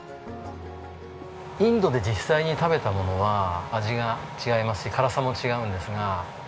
インドで実際に食べたものは味が違いますし辛さも違うんですが。